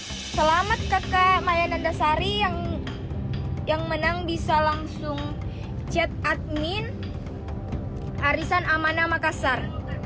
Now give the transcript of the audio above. selamat kakak maya nandasari yang menang bisa langsung cet admin arisan amanah makassar